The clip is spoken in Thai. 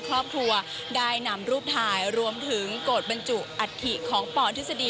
ครอบครัวได้นำรูปถ่ายรวมถึงโกรธบรรจุอัฐิของปทฤษฎี